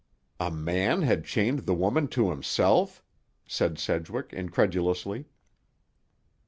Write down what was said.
"A man had chained the woman to himself?" said Sedgwick incredulously.